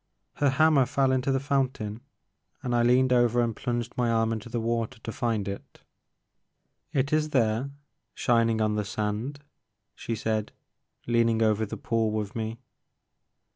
Her hammer fell into the fountain and I leaned over and plunged my arm into the water to find it. i The Maker of Moons. 2 7 It is there, shining on the sand," she said, leaning over the pool with me.